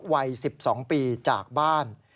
วัย๑๒ปีจากบ้าน